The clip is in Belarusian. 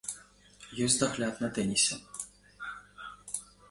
Ёсць дагляд на тэнісе.